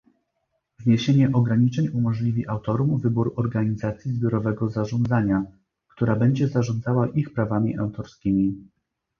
Zniesienie ograniczeń umożliwi autorom wybór organizacji zbiorowego zarządzania, która będzie zarządzała ich prawami autorskimi